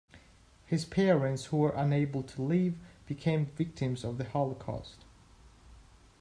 His parents, who were unable to leave, became victims of the Holocaust.